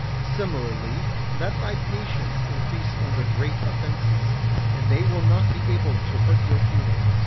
Similarly, let thy patience increase under great offences, and they will not be able to hurt your feelings.